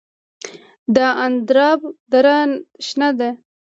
د اندراب دره شنه ده